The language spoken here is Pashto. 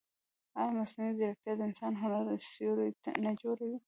ایا مصنوعي ځیرکتیا د انساني هنر سیوری نه جوړوي؟